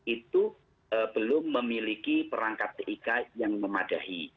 itu belum memiliki perangkat tik yang memadai